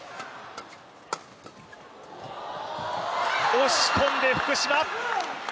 押し込んで福島！